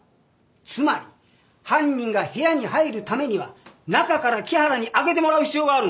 つまり犯人が部屋に入るためには中から木原に開けてもらう必要があるんだ。